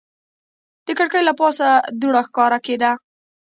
د کړکۍ له پاسه دوړه ښکاره کېده.